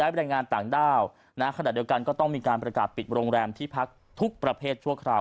ปิดโรงแรมที่พักทุกประเภทชั่วคร่าว